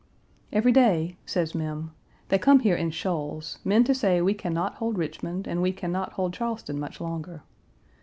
"Every day," says Mem, "they come here in shoals men to say we can not hold Richmond, and we can not hold Charleston much longer.